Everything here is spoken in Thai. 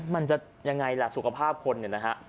มันจะยังไงล่ะสุขภาพคนเนี่ยนะฮะ